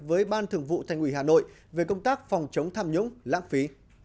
với ban thường vụ thành ủy hà nội về công tác phòng chống tham nhũng lãng phí